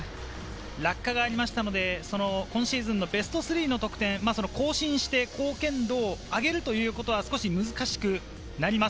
落下がありましたので、今シーズンのベスト３の得点を更新して、貢献度を上げるということは少し難しくなります。